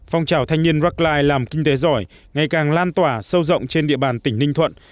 phong trào thanh niên rackline làm kinh tế giỏi ngày càng lan tỏa sâu rộng trên địa bàn tỉnh ninh thuận